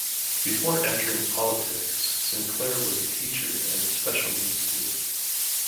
Before entering politics, Sinclair was a teacher and a special needs tutor.